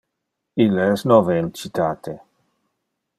Ille es nove in citate.